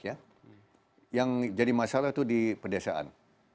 yang jadi masalah itu di pedesaan